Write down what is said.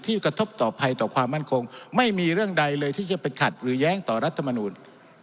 กระทบต่อภัยต่อความมั่นคงไม่มีเรื่องใดเลยที่จะไปขัดหรือแย้งต่อรัฐมนูล